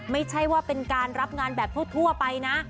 ไม่ใช่ว่าเป็นการรับงานแบบทั่วไปนะ